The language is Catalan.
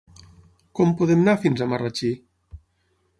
Com podem anar fins a Marratxí?